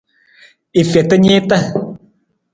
I feta niita.